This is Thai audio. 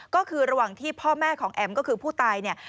ก็คือระหว่างที่พ่อแม่ของแอมก็คือผู้ตายเนี่ย